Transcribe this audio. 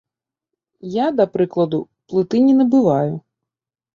Я, да прыкладу, плыты не набываю.